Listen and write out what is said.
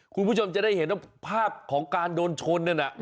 คุณผู้ชมจะได้เห็นว่าภาพของการโดนชนนั่นน่ะ